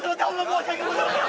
申し訳ございません